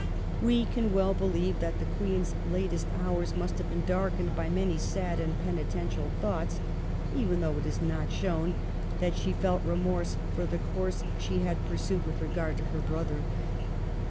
We can well believe that the Queen's latest hours must have been darkened by many sad and penitential thoughts, even though it is not shown that she felt remorse for the course she had pursued with regard to her brother.